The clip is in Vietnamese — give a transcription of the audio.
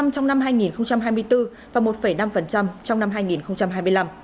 năm trong năm hai nghìn hai mươi bốn và một năm trong năm hai nghìn hai mươi năm